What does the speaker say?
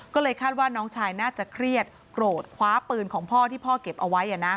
ก็เลยคาดว่าน้องชายน่าจะเครียดโกรธคว้าปืนของพ่อที่พ่อเก็บเอาไว้